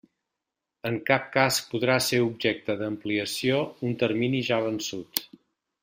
En cap cas podrà ser objecte d'ampliació, un termini ja vençut.